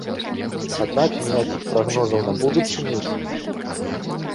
Аднак ніякіх прагнозаў на будучыню зараз не даецца.